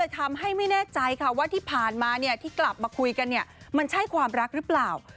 ทำให้ไม่แน่ใจค่ะว่าที่ผ่านมาที่กลับมาคุยกันมันใช่ความรักหรือเปล่า